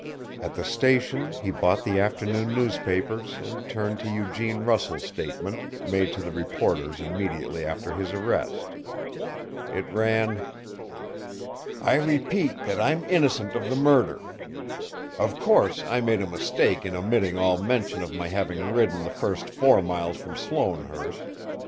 At the station he bought the afternoon newspapers and turned to Eugene Russell's statement, made to the reporters immediately after his arrest. It ran: "I repeat that I'm innocent of the murder. Of course, I made a mistake in omitting all mention of my having ridden the first four miles from Sloanehurst.